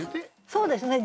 そうですね。